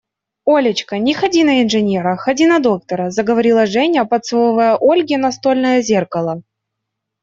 Олечка, не ходи на инженера, ходи на доктора, – заговорила Женя, подсовывая Ольге настольное зеркало.